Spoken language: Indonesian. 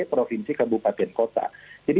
provinsi kabupaten kota